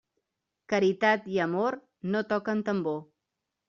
Caritat i amor no toquen tambor.